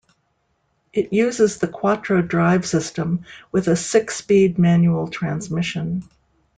It uses the quattro drive system with a six-speed manual transmission.